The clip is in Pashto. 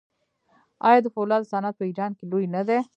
آیا د فولادو صنعت په ایران کې لوی نه دی؟